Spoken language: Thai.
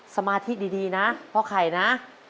สมาธิดีนะพ่อไข่นะ